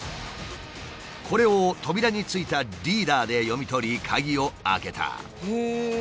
これを扉についたリーダーで読み取り鍵を開けた。